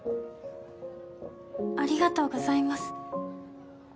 ありがとうございます。